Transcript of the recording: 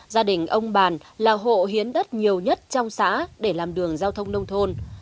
gia đình ông bàn là hộ hiến đất nhiều nhất trong xã để làm đường giao thông nông thôn